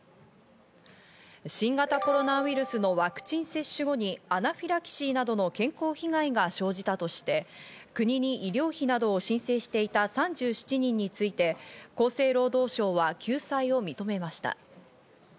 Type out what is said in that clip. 新型コロナウイルスのワクチン接種後にアナフィラキシーなどの健康被害が生じたとして国に医療費などを申請していた３７人について厚生労働省は救済を認めました。